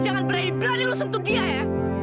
jangan berhibur ada yang sentuh dia ya